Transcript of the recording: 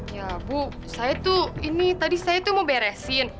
ya bu saya tuh ini tadi saya tuh mau beresin